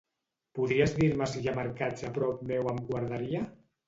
Podries dir-me si hi ha mercats a prop meu amb guarderia?